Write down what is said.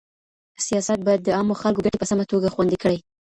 سياست بايد د عامو خلګو ګټي په سمه توګه خوندي کړي.